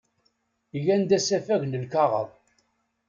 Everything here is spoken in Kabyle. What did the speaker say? Gan-d asafag n lkaɣeḍ.